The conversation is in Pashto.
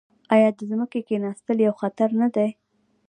آیا د ځمکې کیناستل یو خطر نه دی؟